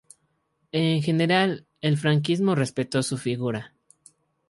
En general, el franquismo respetó su figura.